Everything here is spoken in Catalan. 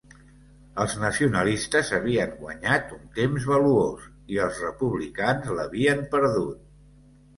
Els nacionalistes havien guanyat un temps valuós i els republicans l'havien perdut.